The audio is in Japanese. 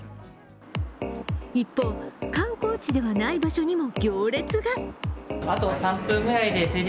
一方、観光地ではない場所にも行列が。